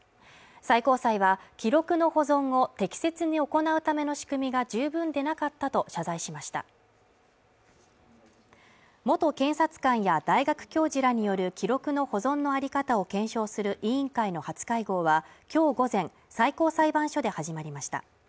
最高裁は記録の保存を適切に行うための仕組みが十分でなかったと謝罪しました元検察官や大学教授らによる記録の保存のあり方を検証する委員会の初会合はきょう午前最高裁判所で始まりました